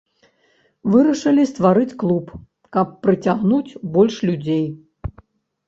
Вырашылі стварыць клуб, каб прыцягнуць больш людзей.